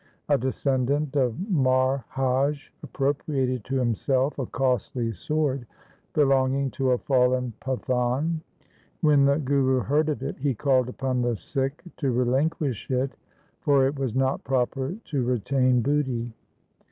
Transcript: A descendant of Marhaj appropriated to himself a costly sword belonging to a fallen Pathan. When the Guru heard of it, he called upon the Sikh to relinquish it, for it was not proper to retain booty.